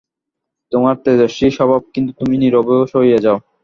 তােমার তেজস্বী স্বভাব, কিন্তু তুমিও নীরবে সহিয়া যাও।